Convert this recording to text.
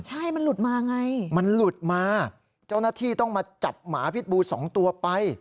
ใช่มันหลุดมาไงมันหลุดมาเจ้าหน้าที่ต้องมาจับหมาพิษบูสองตัวไป